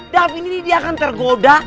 daving ini dia akan tergoda